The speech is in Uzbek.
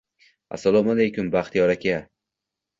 Assalomu aleykum, Baxtiyor aka